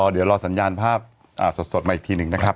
เดี๋ยวรอสัญญาณภาพสดมาอีกทีหนึ่งนะครับ